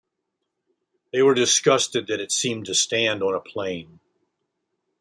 They were disgusted that it seemed to stand on a plain.